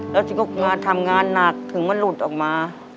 แล้วจริงก็ทำงานหนักถึงมันหลุดออกมา